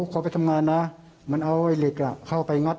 พ่อไปทำงานนะมันเอาเหล็กเข้าไปงัด